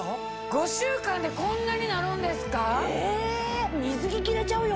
５週間でこんなになるんですか！